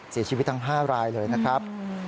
เสียชีวิตทั้ง๕รายเลยนะครับ